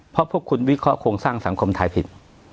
เพราะพวกคุณวิเคราะหโครงสร้างสังคมไทยผิด